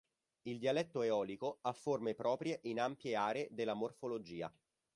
Il dialetto eolico ha forme proprie in ampie aree della morfologia.